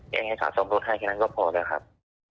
อยากให้เขาซ่อมรถให้แค่นั้นก็พอแล้วครับ